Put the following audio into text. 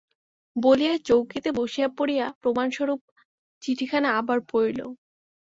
বলিয়া চৌকিতে বসিয়া পড়িয়া প্রমাণস্বরূপ চিঠিখানা আবার পড়িল।